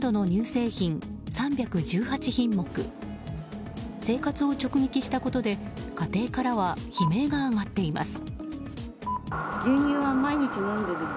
生活を直撃したことで家庭からは悲鳴が上がっています。